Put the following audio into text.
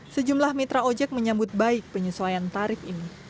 sejumlah mitra ojek menyambut baik penyesuaian tarif ini